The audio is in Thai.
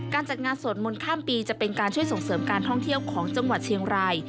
จัดงานสวดมนต์ข้ามปีจะเป็นการช่วยส่งเสริมการท่องเที่ยวของจังหวัดเชียงราย